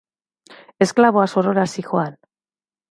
Esklaboa sorora zihoan.